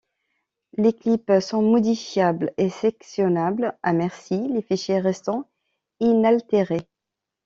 Les clips sont modifiables et sectionnables à merci, les fichiers restant inaltérés.